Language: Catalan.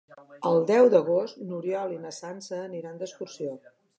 El deu d'agost n'Oriol i na Sança aniran d'excursió.